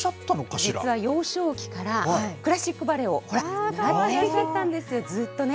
実は幼少期からクラシックバレエをやってらっしゃったんです、ずっとね。